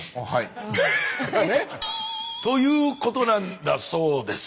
ハハッあれ？ということなんだそうです。